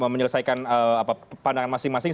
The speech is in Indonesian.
menyelesaikan pandangan masing masing